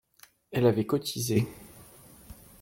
Elle avait cotisé